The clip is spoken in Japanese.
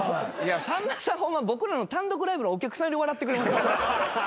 さんまさんは僕らの単独ライブのお客さんより笑ってくれます。